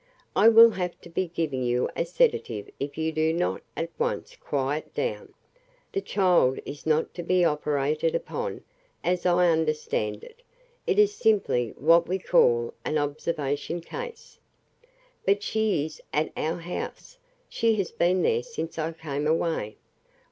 I will have to be giving you a sedative if you do not at once quiet down. The child is not to be operated upon, as I understand it. It is simply what we call an observation case." "But she is at our house she has been there since I came away.